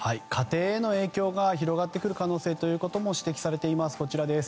家庭への影響が広がってくる可能性も指摘されています。